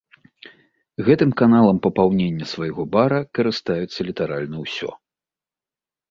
Гэтым каналам папаўнення свайго бара карыстаюцца літаральна ўсё.